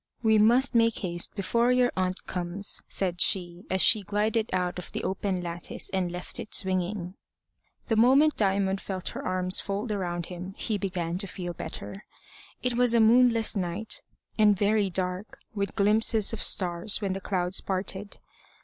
"We must make haste before your aunt comes," said she, as she glided out of the open lattice and left it swinging. The moment Diamond felt her arms fold around him he began to feel better. It was a moonless night, and very dark, with glimpses of stars when the clouds parted.